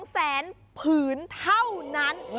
แสนผืนเท่านั้น